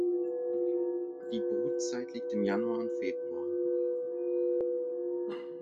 Die Brutzeit liegt im Januar und Februar.